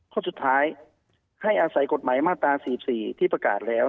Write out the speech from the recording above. ข้อสุดท้ายให้อาศัยกฎหมายมาตรา๔๔ที่ประกาศแล้ว